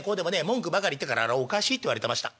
文句ばかり言ってあれはおかしいって言われてました。